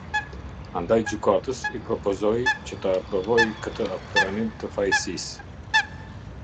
Andaj gjykatës i propozoi që ta aprovoi këtë pranim të fajësisë.